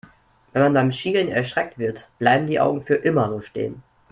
Wenn man beim Schielen erschreckt wird, bleiben die Augen für immer so stehen.